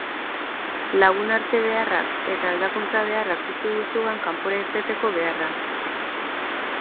Lagunarte-beharrak eta aldakuntza-beharrak piztu du zugan kanpora irteteko beharra.